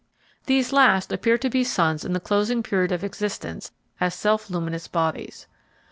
These last appear to be suns in the closing period of existence as self luminous bodies.